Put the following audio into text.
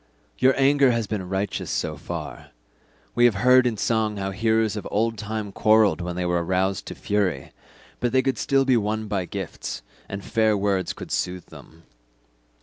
Your anger has been righteous so far. We have heard in song how heroes of old time quarrelled when they were roused to fury, but still they could be won by gifts, and fair words could soothe them.